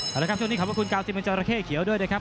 เอาละครับช่วงนี้ขอบคุณกาวซิเมนจอราเข้เขียวด้วยนะครับ